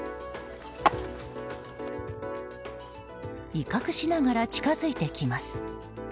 威嚇しながら近づいてきます。